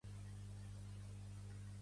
Pertany al moviment independentista la Sonia?